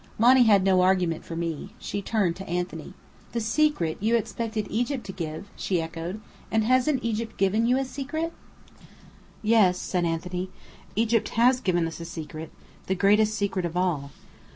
Monny had no argument for me. She turned to Anthony. "The secret you expected Egypt to give!" she echoed. "And hasn't Egypt given you a secret?" "Yes," said Anthony, "Egypt has given us a secret: the greatest secret of all.